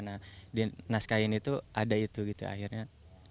nah di naskah ini tuh ada itu gitu akhirnya